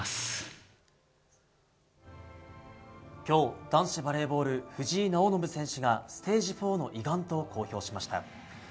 今日、男子バレーボール藤井直伸選手がステージ４の胃がんと公表しました。